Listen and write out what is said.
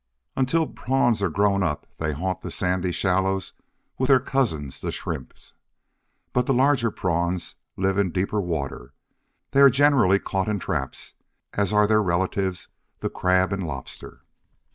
Until Prawns are grown up, they haunt the sandy shallows with their cousins the Shrimps. But the larger Prawns live in deeper water. They are generally caught in traps, as are their relatives, the crab and lobster.